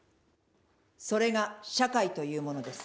「それが社会というものです」